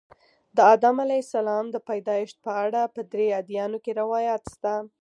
د آدم علیه السلام د پیدایښت په اړه په درې ادیانو کې روایات شته.